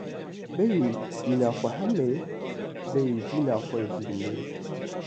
Bêyî vîna xwe heme, bêyî vîna xwe jî dimirim.